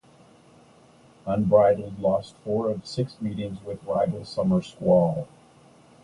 Unbridled lost four of six meetings with rival Summer Squall.